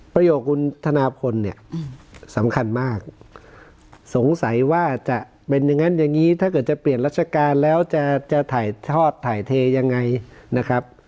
คุณธนาพลเนี่ยสำคัญมากสงสัยว่าจะเป็นอย่างนั้นอย่างนี้ถ้าเกิดจะเปลี่ยนราชการแล้วจะถ่ายทอดถ่ายเทยังไงนะครับ